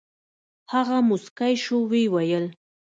هغه موسكى سو ويې ويل.